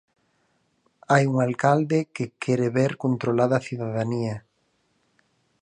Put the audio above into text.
Hai un alcalde que quere ver controlada a cidadanía.